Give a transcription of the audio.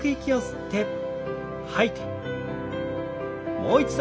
もう一度。